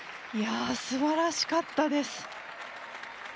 すばらしかったです。